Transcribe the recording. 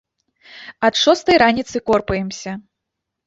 Ад шостай раніцы корпаемся.